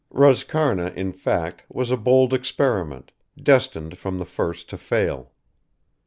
Roscarna, in fact, was a bold experiment, destined from the first to fail.